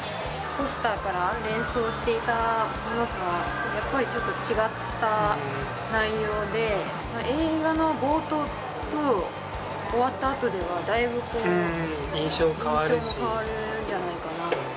ポスターから連想していたものとは、やっぱりちょっと違った内容で、映画の冒頭と終ったあとでは、だいぶ印象も変わるんじゃないかな。